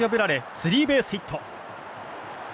スリーベースヒット。